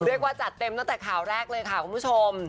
จัดเต็มตั้งแต่ข่าวแรกเลยค่ะคุณผู้ชม